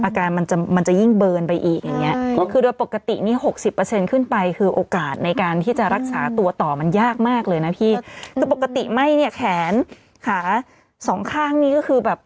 อาการมันจะยิ่งเบิร์นไปอีกอย่างนี้